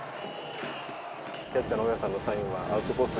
キャッチャーの大矢さんのサインはアウトコース